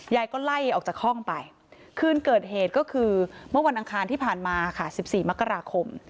ยายก็ไล่ออกจากห้องไปคืนเกิดเหตุก็คือเมื่อวันอังคารที่ผ่านมาค่ะ๑๔มกราคม